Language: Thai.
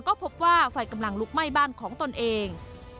ก็พบว่าไฟกำลังลุกไหม้บ้านของตนเอง